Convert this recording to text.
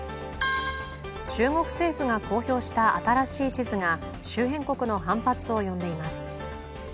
中国政府が公表した新しい地図が周辺国の反発を呼んでいます。